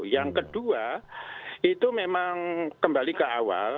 yang kedua itu memang kembali ke awal